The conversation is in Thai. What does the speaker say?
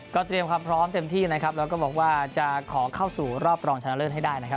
เตรียมความพร้อมเต็มที่นะครับแล้วก็บอกว่าจะขอเข้าสู่รอบรองชนะเลิศให้ได้นะครับ